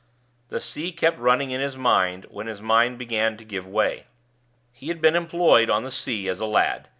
The sea kept running in his mind when his mind began to give way. He had been employed on the sea as a lad.